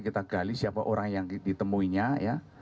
kita gali siapa orang yang ditemuinya ya